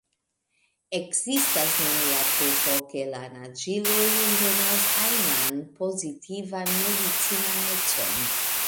Ekzistas nenia pruvo, ke la naĝiloj entenas ajnan pozitivan medicinan econ.